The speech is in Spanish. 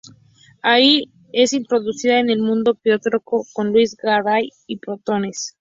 Allí es introducida en el mundo pictórico por Luís Garay y Pontones.